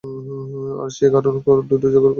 আর, সেই তার করুণ দুটি চোখের ঘন পল্লব।